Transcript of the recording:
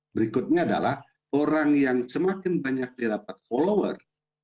berikutnya adalah orang yang semakin banyak didapat follower